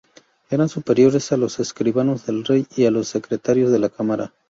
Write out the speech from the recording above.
Eran superiores a los escribanos del rey y a los secretarios de la cámara.